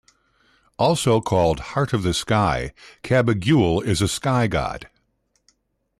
Also called "Heart of the Sky," Cabaguil is a sky god.